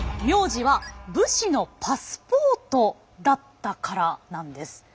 「名字」は武士のパスポートだったからなんです。